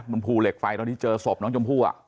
บริมภูร์เหล็กไฟตอนที่เจอศพน้องจมภูร์